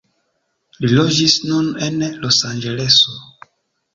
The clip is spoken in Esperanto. Li loĝis nun en Losanĝeleso.